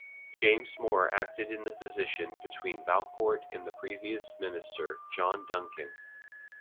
James Moore acted in the position between Valcourt and the previous minister John Duncan.